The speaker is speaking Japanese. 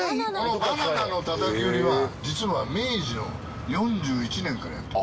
バナナのたたき売りは実は明治の４１年からやってる。